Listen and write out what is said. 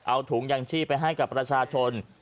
เอาถุงยังชีพไปให้กับประชาชน